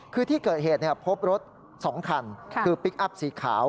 คือที่เกิดเหตุพบรถ๒คันคือพลิกอัพสีขาว